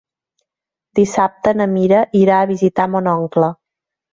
Dissabte na Mira irà a visitar mon oncle.